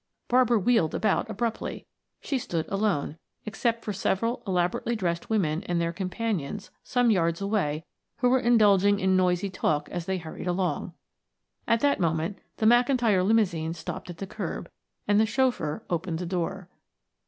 Barbara wheeled about abruptly. She stood alone, except for several elaborately dressed women and their companions some yards away who were indulging in noisy talk as they hurried along. At that moment the McIntyre limousine stopped at the curb and the chauffeur opened the door.